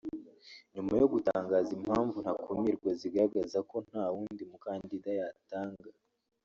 nyuma yo gutanga impamvu ntakumirwa zigaragaza ko nta wundi mukandida yatanga